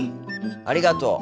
ありがとう。